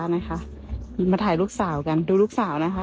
ช่างภาพป๊าป๊านะคะมาถ่ายลูกสาวกันดูลูกสาวนะคะ